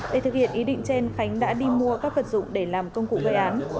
để thực hiện ý định trên khánh đã đi mua các vật dụng để làm công cụ gây án